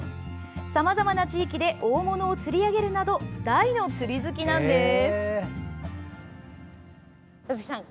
さまざまな地域で大物を釣り上げるなど大の釣り好きなんです。